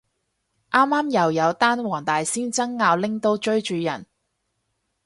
啱啱又有單黃大仙爭拗拎刀追住人